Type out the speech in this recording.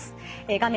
画面